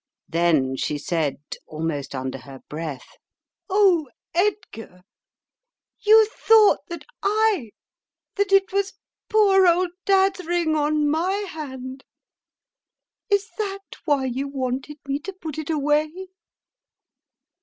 Then she said almost under her breath : "Oh, Edgar, you thought that I — that it was poor old Dad's ring on my hand. Is that why you wanted me to put it away?"